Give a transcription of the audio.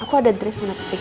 aku ada dress warna pink